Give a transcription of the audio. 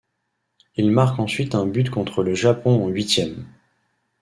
Il marque ensuite un but contre le Japon en huitièmes.